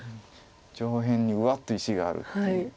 上辺にうわっと石があるっていう。